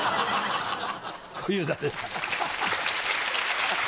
小遊三です。